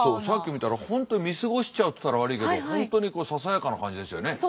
さっき見たら本当に見過ごしちゃうって言ったら悪いけど本当にささやかな感じでしたよね。